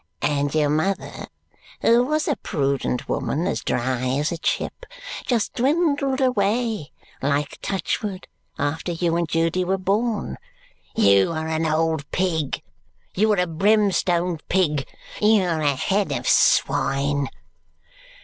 and your mother, who was a prudent woman as dry as a chip, just dwindled away like touchwood after you and Judy were born you are an old pig. You are a brimstone pig. You're a head of swine!"